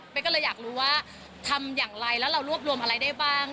ก็เลยอยากรู้ว่าทำอย่างไรแล้วเรารวบรวมอะไรได้บ้าง